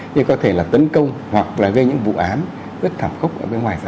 như có thể là tấn công hoặc là về những vụ án rất thảm khốc ở bên ngoài xã hội